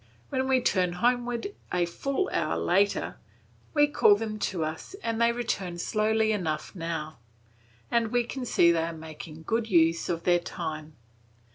When we turn homewards a full hour later, we call them to us and they return slowly enough now, and we can see they are making good use of their time.